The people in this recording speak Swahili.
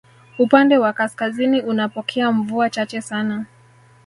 Upande wa kaskazini unapokea mvua chache sana